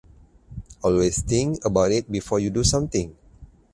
Always think about it before you do something.